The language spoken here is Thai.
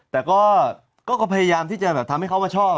แต่ก็พยายามที่จะแบบทำให้เขามาชอบ